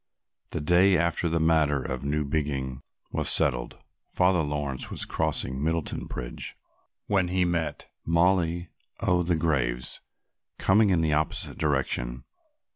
The day after the matter of Newbiggin was settled Father Laurence was crossing Middleton Bridge, when he met "Moll o' the graves" coming in the opposite direction.